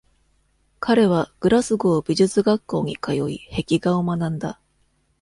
彼はグラスゴー美術学校に通い壁画を学んだ。